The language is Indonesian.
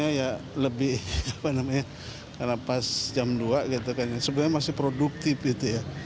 jam pulangnya ya lebih karena pas jam dua gitu kan sebenarnya masih produktif gitu ya